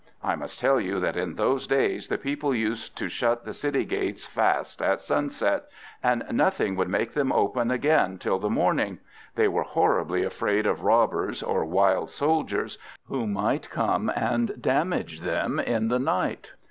I must tell you that in those days the people used to shut the city gates fast at sunset, and nothing would make them open again till the morning they were horribly afraid of robbers or wild soldiers, who might come and damage them in the night.